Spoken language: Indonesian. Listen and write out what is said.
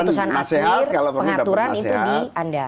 keputusan akhir pengaturan itu di anda